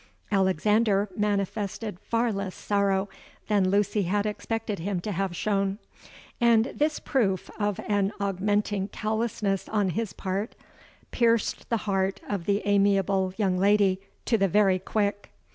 Alexander manifested far less sorrow than Lucy had expected him to have shown; and this proof of an augmenting callousness on his part, pierced the heart of the amiable young lady to the very quick.